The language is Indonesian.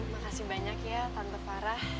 makasih banyak ya tante farah